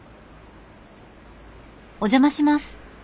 お邪魔します。